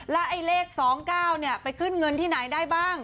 แล้วไอ้เลข๒๙ไปขึ้นเงินที่ไหนได้บ้าง